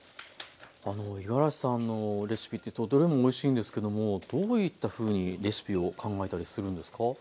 あのいがらしさんのレシピってどれもおいしいんですけどもどういったふうにレシピを考えたりするんですか？